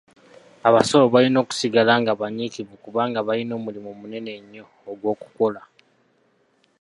Abasawo balina okusigala nga banyiikivu kubanga balina omulimu munene nnyo ogw'okukola.